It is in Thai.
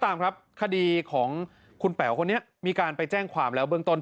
พระอาจารย์ออสบอกว่าอาการของคุณแป๋วผู้เสียหายคนนี้อาจจะเกิดจากหลายสิ่งประกอบกัน